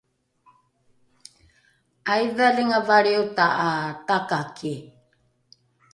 ’aidhalinga valriota ’a takaki